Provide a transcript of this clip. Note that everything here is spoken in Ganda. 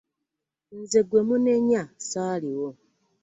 Nze gwe munenya ssaaliwo.